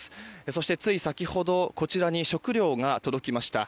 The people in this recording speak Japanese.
そしてつい先ほどこちらに食料が届きました。